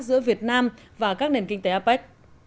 giữa việt nam và các nền kinh tế apec